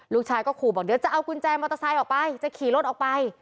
ลูกชายก็ขู่บอกเดี๋ยวจะเอากุญแจมอเตอร์ไซค์ออกไปจะขี่รถออกไป